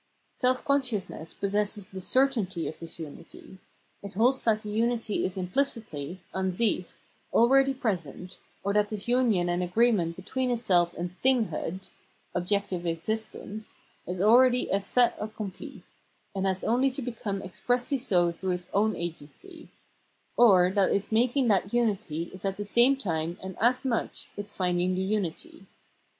Self con sciousness possesses the certainty of this unity ; it holds that the unity is implicitly {an sich) already 346 Phenomenology of Mind present, or that this union and agreement between itself and " thinghood" (objective existence) is akeady a fait accom'pli, and has only to become expressly so through its own agency ; or that its making that unity is at the same time and as much its finding the unity.